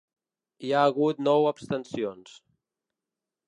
Hi ha hagut nou abstencions.